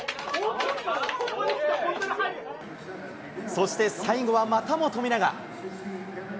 そして、最後はまたも富永。